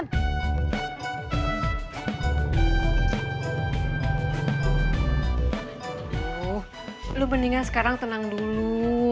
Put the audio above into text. tuh lu mendingan sekarang tenang dulu